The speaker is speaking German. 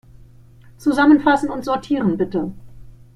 Zusammenfassen und sortieren, bitte.